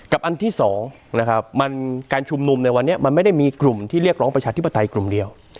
อันที่๒นะครับมันการชุมนุมในวันนี้มันไม่ได้มีกลุ่มที่เรียกร้องประชาธิปไตยกลุ่มเดียว